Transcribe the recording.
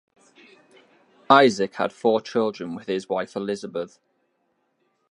Isaac had four children with his wife Elizabeth.